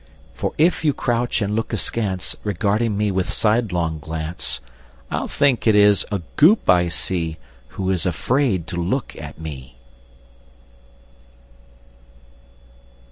For if you crouch and look askance, Regarding me with sidelong glance, I'll think it is a Goop I see Who is afraid to look at me!